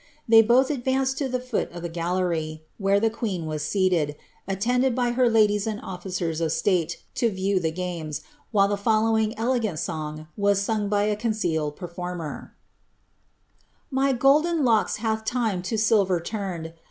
They both advmred to the foot of the gallery" where the queen was seated, attended bv hfr ladies and officers of stale, to view the games, whiie the following ele gant song was sung by a concealed performer :" My gnMeo loclcs hath lime lo silver mmed.